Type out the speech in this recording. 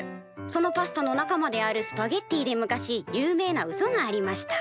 そのパスタの仲間であるスパゲッティで昔有名なうそがありました」。